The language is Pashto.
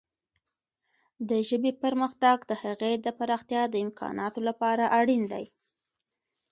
د ژبې پرمختګ د هغې د پراختیا د امکاناتو لپاره اړین دی.